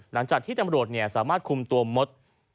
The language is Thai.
หลังจากที่ตำรวจสามารถคุมตัวมด